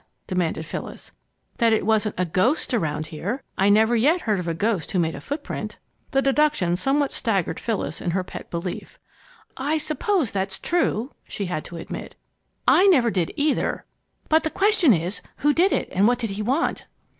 demanded Phyllis. "That it wasn't a ghost around here. I never yet heard of a ghost who made a footprint!" The deduction somewhat staggered Phyllis in her pet belief. "I suppose that's true," she had to admit. "I never did, either. But now the question is, who did it and what did he want?"